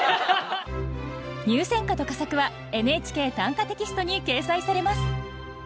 入選歌と佳作は「ＮＨＫ短歌」テキストに掲載されます。